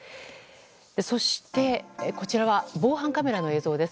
そして、こちらは防犯カメラの映像です。